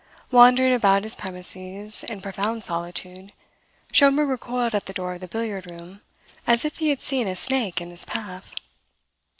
Wandering about his premises in profound solitude, Schomberg recoiled at the door of the billiard room, as if he had seen a snake in his path.